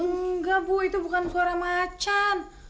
enggak bu itu bukan suara macan